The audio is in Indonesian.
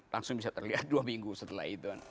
langsung bisa terlihat dua minggu setelah itu